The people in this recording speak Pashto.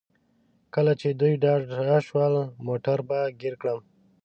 کله چې دوی ډاډه شول موټر به ګیر کړم.